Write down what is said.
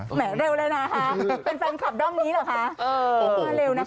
แหมเร็วเลยนะคะเป็นแฟนคลับด้อมนี้หรือคะ